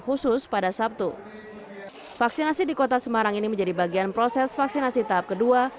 khusus pada sabtu vaksinasi di kota semarang ini menjadi bagian proses vaksinasi tahap kedua